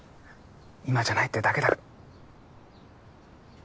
今じゃないってだけ。